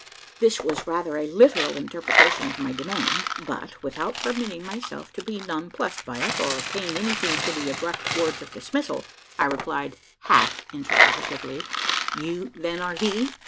This was rather a literal interpretation of my demand; but, without permitting myself to be nonplussed by it, or paying any heed to the abrupt words of dismissal, I replied, half interrogatively: "You, then, are he?